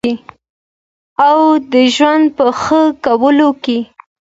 او د ژوند په ښه کولو کې